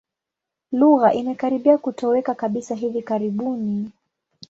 Lugha imekaribia kutoweka kabisa hivi karibuni.